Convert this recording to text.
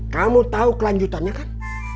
kamu tau kelanjutannya kan